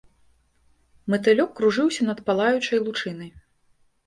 Матылёк кружыўся над палаючай лучынай.